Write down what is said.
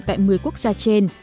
tại một mươi quốc gia trên